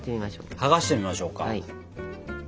剥がしてみましょうか。